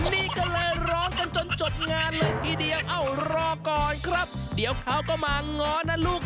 นี่ก็เลยร้องกันจนจดงานเลยทีเดียวเอ้ารอก่อนครับเดี๋ยวเขาก็มาง้อนะลูก